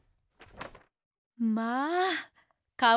まあかわいいえね。